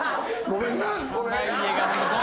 ごめんな。